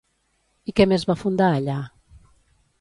I què més va fundar allà?